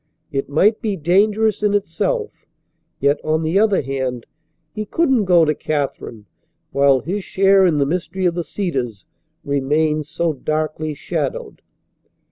It might be dangerous in itself, yet, on the other hand, he couldn't go to Katherine while his share in the mystery of the Cedars remained so darkly shadowed.